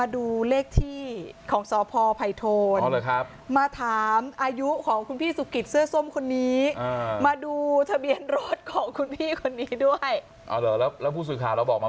ดูทะเบียนรถของคุณพี่คนนี้ด้วยแล้วผู้สื่อข่าวเราบอกมา